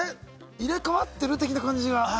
入れ替わってる？みたいな感じが。